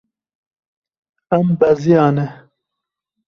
Em beziyane.